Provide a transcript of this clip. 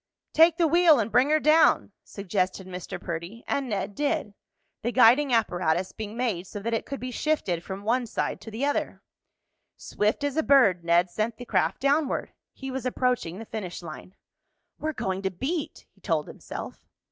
"Take the wheel and bring her down," suggested Mr. Perdy; and Ned did, the guiding apparatus being made so that it could be shifted from one side to the other. Swift as a bird Ned sent the craft downward. He was approaching the finish line. "We're going to beat!" he told himself.